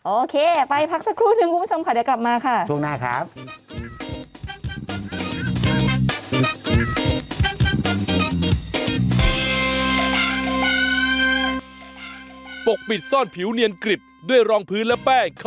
โอเคไปพักสักครู่หนึ่งคุณผู้ชมค่ะเดี๋ยวกลับมาค่ะ